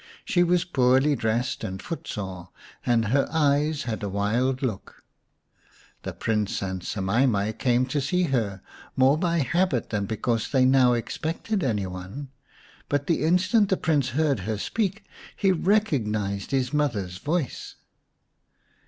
She was poorly dressed and footsore, and her eyes had a wild 174 xv The Story of Semai mai look. The Prince and Semai mai came to see her, more by habit than because they now expected any one. But the instant the Prince heard her speak he recognised his mother's voice.